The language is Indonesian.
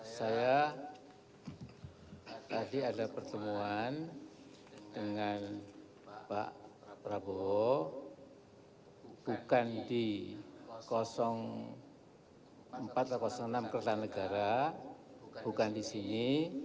saya tadi ada pertemuan dengan pak prabowo bukan di empat ratus enam kertanegara bukan di sini